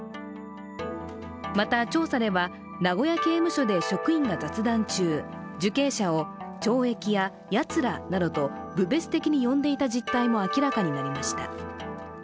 また調査では、名古屋刑務所で職員が雑談中、受刑者を懲役ややつらなどと侮蔑的に呼んでいた実態も明らかになりました。